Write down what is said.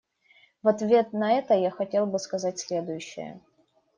В ответ на это я хотел бы сказать следующее.